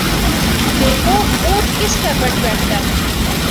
دیکھو اونٹ کس کروٹ بیٹھتا ہے ۔